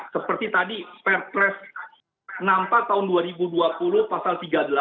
seperti tadi perpres nampak tahun dua ribu dua puluh pasal tiga puluh delapan